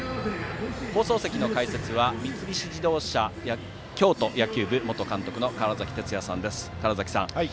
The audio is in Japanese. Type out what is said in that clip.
放送席の解説は三菱自動車京都野球部元監督の川原崎哲也さんです。